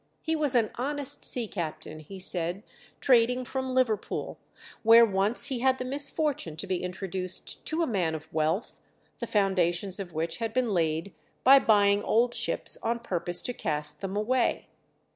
He was an honest sea captain, he said, trading from Liverpool, where once he had the misfortune to be introduced to a man of wealth, the foundations of which had been laid by buying old ships on purpose to cast them away.